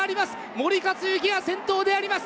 森且行が先頭であります。